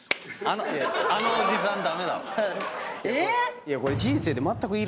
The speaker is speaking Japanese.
あのおじさん駄目だわ。